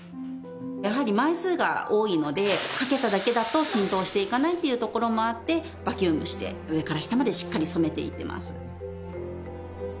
やはり枚数が多いのでかけただけだと浸透していかないというところもあってバキュームして上から下までしっかり染めていってます